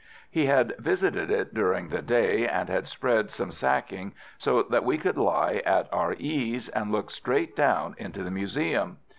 He had visited it during the day, and had spread some sacking so that we could lie at our ease, and look straight down into the museum.